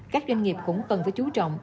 các doanh nghiệp cũng cần phải chú trọng